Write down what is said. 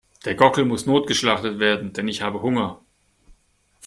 Der Gockel muss notgeschlachtet werden, denn ich habe Hunger.